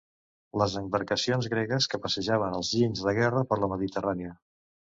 Les embarcacions gregues que passejaven els ginys de guerra per la Mediterrània.